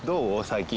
最近。